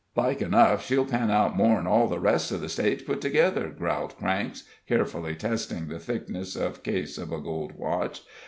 "Like enough she'll pan out more'n all the rest of the stage put together," growled Cranks, carefully testing the thickness of case of a gold watch.